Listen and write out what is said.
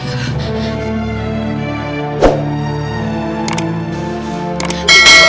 saya ikut bapak